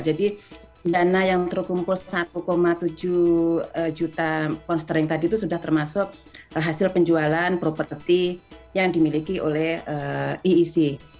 jadi dana yang terkumpul satu tujuh juta pons terling tadi itu sudah termasuk hasil penjualan properti yang dimiliki oleh iec